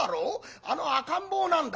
あの赤ん坊なんだ。